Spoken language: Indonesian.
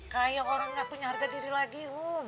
kayak orang nggak punya harga diri lagi um